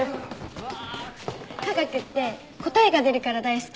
科学って答えが出るから大好き。